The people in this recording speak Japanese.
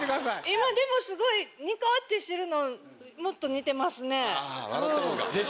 今でもすごいニコってしてるのもっと似てますね。